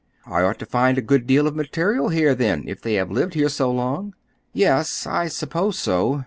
"I ought to find a good deal of material here, then, if they have lived here so long." "Yes, I suppose so.